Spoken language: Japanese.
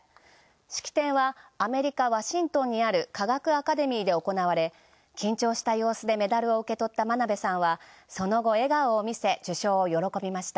式典はアメリカ・ワシントンにある科学アカデミーで行われ、緊張した様子でメダルを受け取った真鍋さんはその後、笑顔を見せ、授賞を喜びました。